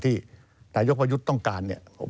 ที่นายกประยุทธ์ต้องการ